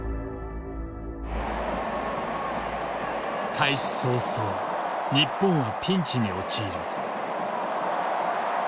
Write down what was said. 開始早々日本はピンチに陥る。